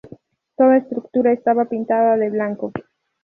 Toda estructura estaba pintada de blanco.